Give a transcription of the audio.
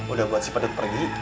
udah buat si padat pergi